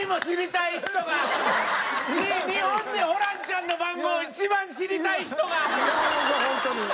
日本でホランちゃんの番号一番知りたい人が。